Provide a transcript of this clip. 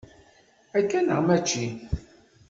Akka neɣ mačči?